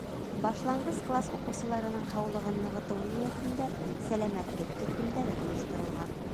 Башланғыс класс уҡыусыларының һаулығын нығытыу ниәтендә сәләмәтлек төркөмдәре ойошторолған.